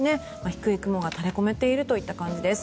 低い雲が垂れ込めているという感じです。